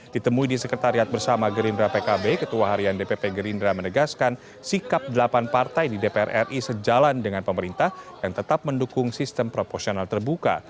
ditemui di sekretariat bersama gerindra pkb ketua harian dpp gerindra menegaskan sikap delapan partai di dpr ri sejalan dengan pemerintah yang tetap mendukung sistem proporsional terbuka